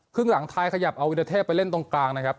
ครึ่งหลังไทยขยับเอาวิทยาเทพไปเล่นตรงกลางนะครับ